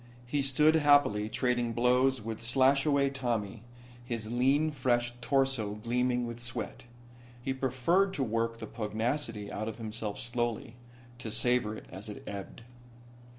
He stood happily trading blows with Slashaway Tommy, his lean fleshed torso gleaming with sweat. He preferred to work the pugnacity out of himself slowly, to savor it as it ebbed.